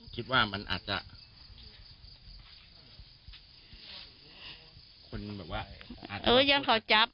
ที่มีข่าวเรื่องน้องหายตัว